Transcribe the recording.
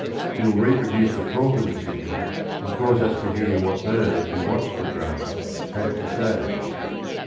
He will reproduce the talk of the city and cause us to hear what those who watched the drama had to say.